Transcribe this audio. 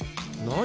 何？